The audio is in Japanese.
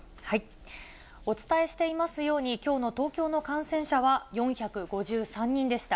お伝えしていますように、きょうの東京の感染者は４５３人でした。